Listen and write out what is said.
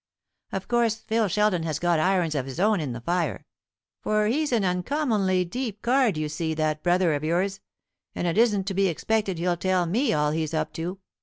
Of course Phil Sheldon has got irons of his own in the fire; for he's an uncommonly deep card, you see, that brother of yours, and it isn't to be expected he'll tell me all he's up to.